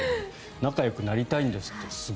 仲よくなりたいんですって。